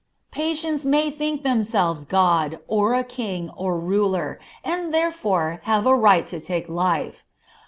Patients may think themselves God, or a king, or ruler, and therefore have a right to take life.